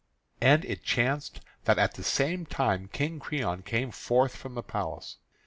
And it chanced that at the same time King Creon came forth from the palace.